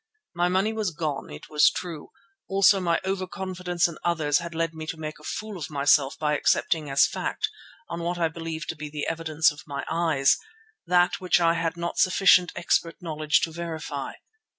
My money was gone, it was true; also my over confidence in others had led me to make a fool of myself by accepting as fact, on what I believed to be the evidence of my eyes, that which I had not sufficient expert knowledge to verify.